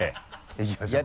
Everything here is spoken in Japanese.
いきましょうか。